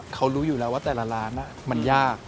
เขารู้อยู่แล้วว่าแต่ละร้านมันยาก